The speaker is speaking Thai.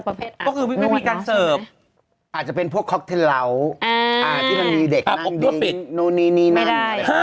ผู้อธิบายลูกค้าก็น่าจะประเภทโน่นเงาะไม่ได้นิดนึง